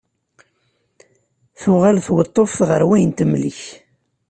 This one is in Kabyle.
Tuɣal tweṭṭuft ɣer wayen temlek.